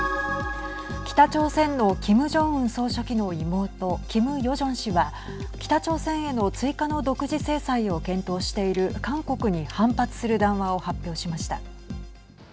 北朝鮮のキム・ジョンウン総書記の妹キム・ヨジョン氏は北朝鮮への追加の独自制裁を検討している韓国に反発する談話を発表しました。